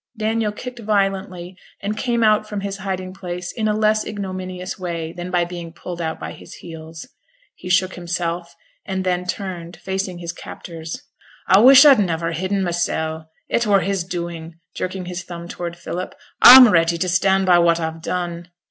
Daniel kicked violently, and came out from his hiding place in a less ignominious way than by being pulled out by his heels. He shook himself, and then turned, facing his captors. 'A wish a'd niver hidden mysel'; it were his doing,' jerking his thumb toward Philip: 'a'm ready to stand by what a've done.